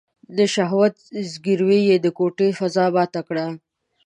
د شهوت ځګيروی يې د کوټې فضا ماته کړه.